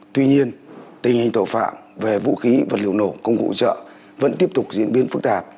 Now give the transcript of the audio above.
tuy nhiên tình hình tội phạm về vũ khí vật liệu nổ công cụ hỗ trợ vẫn tiếp tục diễn biến phức tạp